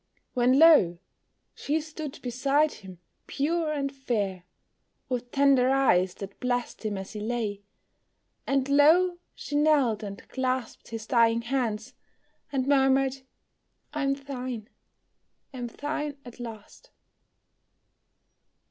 When lo! she stood beside him, pure and fair, With tender eyes that blessed him as he lay; And lo! she knelt and clasped his dying hands, And murmured, "I am thine, am thine at last."